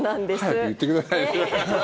早く言ってくださいよ。